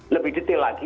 lebih detail lagi